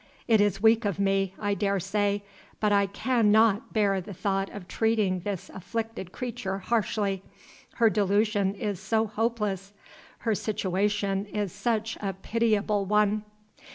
It is weak of me, I dare say; but I can not bear the thought of treating this afflicted creature harshly. Her delusion is so hopeless! her situation is such a pitiable one!"